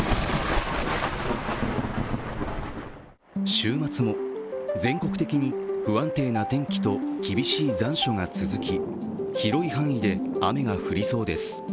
週末も、全国的に不安定な天気と厳しい残暑が続き広い範囲で雨が降りそうです。